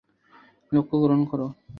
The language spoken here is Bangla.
লক্ষ্য গ্রহণ করো।